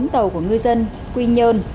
bốn tàu của ngư dân quy nhơn